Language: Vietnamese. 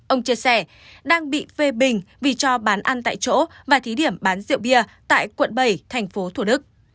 ông chia sẻ đang bị phê bình vì cho bán ăn tại chỗ và thí điểm bán rượu bia tại quận bảy tp thủ đức